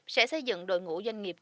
sẽ xây dựng đội ngũ doanh nghiệp